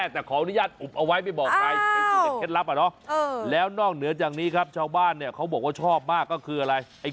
แต่ขออนุญาตอุบเอาไว้ไม่บอกใครแล้วนอกเหนือจากนี้ครับชาวบ้านเขาบอกว่าชอบมากก็คืออะไร